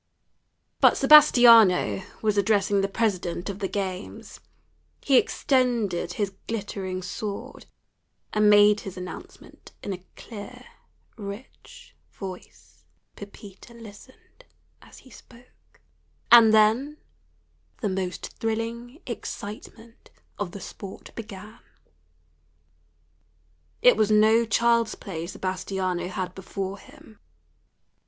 But Sebastiano was addressing the president of the games. He extended his glittering sword, and made his announcement in a clear, rich voice. Pepita listened as he spoke. And then the most thrilling excitement of the sport began. It was no child's play Sebastiano had before him.